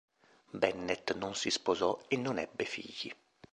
Bennett non si sposò e non ebbe figli.